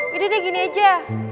gini deh gini aja